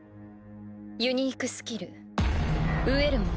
ユニークスキル「飢餓者」。